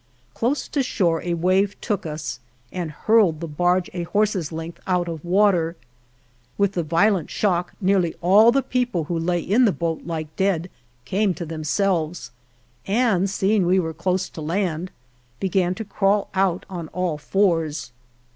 Close to shore a wave took us and hurled the barge a horse's length out of water. With the violent shock nearly all the people who lay in the boat like dead came to themselves, and, seeing we were close to land, began to crawl out on all fours.